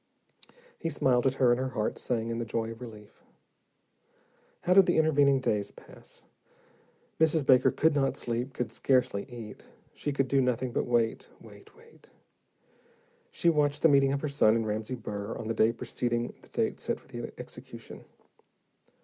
He smiled at her, and her heart sang in the joy of relief. How did the intervening days pass? Mrs. Baker could not sleep, could scarcely eat, she could do nothing but wait, wait, wait. She watched the meeting of her son and Ramsey Burr, on the day preceding the date set for the execution.